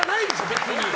別に。